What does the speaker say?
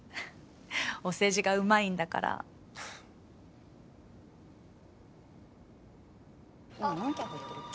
お世辞がうまいんだから今何件入ってるっけ？